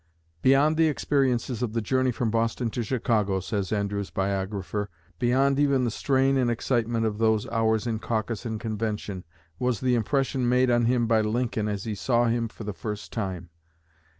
"Beyond the experiences of the journey from Boston to Chicago," says Andrew's biographer, "beyond even the strain and excitement of those hours in caucus and convention, was the impression made on him by Lincoln as he saw him for the first time."